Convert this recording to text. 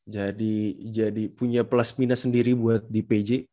jadi punya plus minus sendiri buat di pj